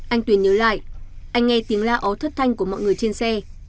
anh tuyền nhớ lại anh nghe tiếng la ấu thất thanh của mọi người trên xe